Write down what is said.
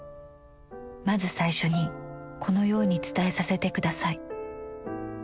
まず最初にこのようにつたえさせてください。